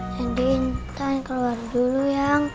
jadi nintan keluar dulu yang